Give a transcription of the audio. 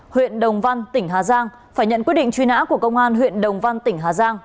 huyện đồng văn tỉnh hà giang phải nhận quyết định truy nã của công an huyện đồng văn tỉnh hà giang